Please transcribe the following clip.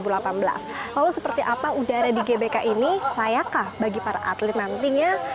lalu seperti apa udara di gbk ini layakkah bagi para atlet nantinya